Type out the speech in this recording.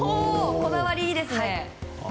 こだわり、いいですね。